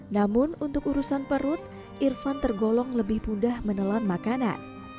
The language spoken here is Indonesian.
namun untuk urusan perut irfan tergolong lebih mudah menelan makanan